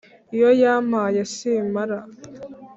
Iyo yampaye simara.